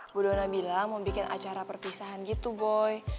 bu dona bilang mau bikin acara perpisahan gitu boy